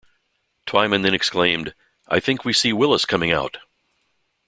Twyman then exclaimed: ""I think we see Willis coming out!